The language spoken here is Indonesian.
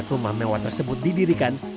rumah mewah tersebut didirikan